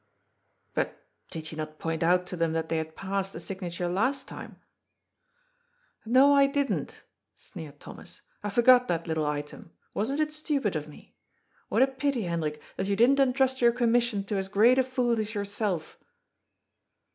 " But did you not point out to them that they had passed the signature last time ?"" No, I didn't," sneered Thomas. " I forgot that little item. Wasn't it stupid of me? What a pity, Hendrik, that you didn't entrust your commission to as great a fool as yourself."